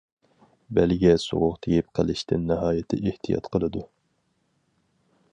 بەلگە سوغۇق تېگىپ قېلىشتىن ناھايىتى ئېھتىيات قىلىدۇ.